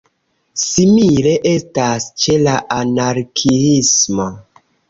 Simile estas ĉe la anarkiismo.